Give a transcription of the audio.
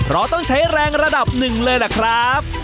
เราต้องใช้แรงระดับหนึ่งเลยล่ะครับ